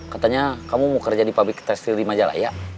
katanya kamu mau kerja di public trusty di majalaya